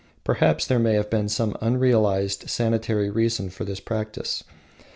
Perhaps there may have been some unrealized sanitary reason for this practice.